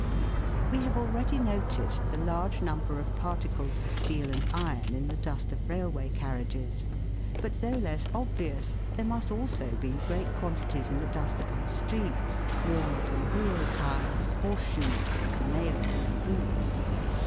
We have already noticed the large number of particles of steel and iron in the dust of railway carriages; but though less obvious, there must also be great quantities in the dust of our streets, worn from wheel tires, horse shoes, and the nails in our boots.